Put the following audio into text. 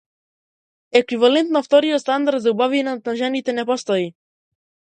Еквивалент на вториот стандард за убавина за жените не постои.